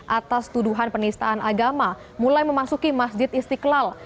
atas tuduhan penistaan agama mulai memasuki masjid istiqlal